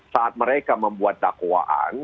saat mereka membuat dakwaan